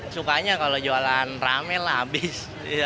sukanya kalau jualan rame lah habis